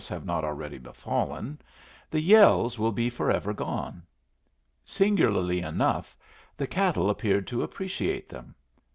have not already befallen) the yells will be forever gone. Singularly enough, the cattle appeared to appreciate them.